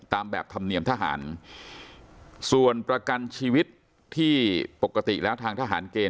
แบบธรรมเนียมทหารส่วนประกันชีวิตที่ปกติแล้วทางทหารเกณฑ